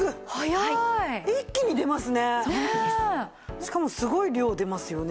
しかもすごい量出ますよね。